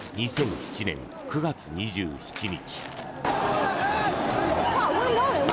２００７年９月２７日。